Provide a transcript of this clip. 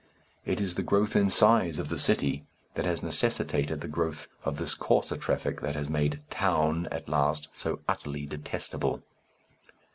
It is the growth in size of the city that has necessitated the growth of this coarser traffic that has made "Town" at last so utterly detestable.